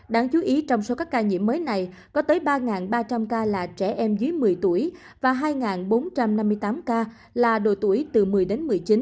đáng chú ý trong số các ca nhiễm mới này có tới ba ba trăm linh ca là trẻ em dưới một mươi tuổi và hai bốn trăm năm mươi tám ca là độ tuổi từ một mươi đến một mươi chín